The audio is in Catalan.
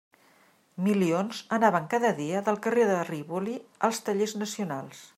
Milions anaven cada dia del carrer de Rivoli als tallers nacionals.